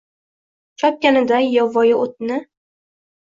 chopganiday yovvoyi oʼtni